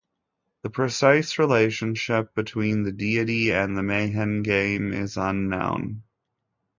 The precise relationship between the deity and the Mehen game is unknown.